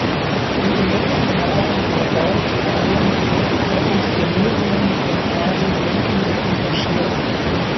In den letzten Jahren war Baud vor allem bei Inszenierungen von Karin Henkel engagiert.